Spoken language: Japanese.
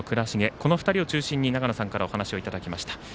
この２人を中心に長野さんからお話いただきました。